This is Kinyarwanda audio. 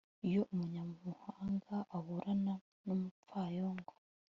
iyo umunyabuhanga aburana n'umupfayongo